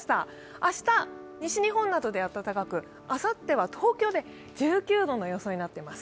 明日、西日本などで暖かくあさっては東京で１９度の予想になっています。